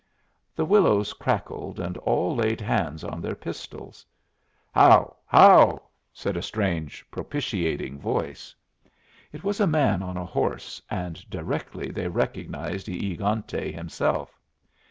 The willows crackled, and all laid hands on their pistols. "How! how!" said a strange, propitiating voice. It was a man on a horse, and directly they recognized E egante himself.